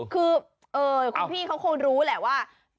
คือคุณพี่เขาคงรู้แหละว่า